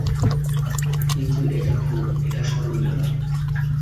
কিন্তু এটা খুব একটা স্মরণীয় নয়।